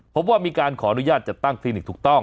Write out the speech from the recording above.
พบว่ามีการขออนุญาตจัดตั้งคลินิกถูกต้อง